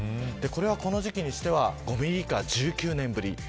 これはこの時期にしては５ミリ以下は１９年ぶり。